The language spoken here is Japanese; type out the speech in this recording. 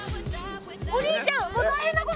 お兄ちゃんもう大変なことなってる。